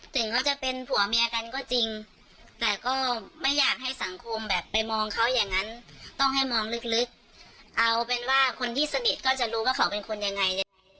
ถึงเขาจะเป็นผัวเมียกันก็จริงแต่ก็ไม่อยากให้สังคมแบบไปมองเขาอย่างนั้นต้องให้มองลึกเอาเป็นว่าคนที่สนิทก็จะรู้ว่าเขาเป็นคนยังไง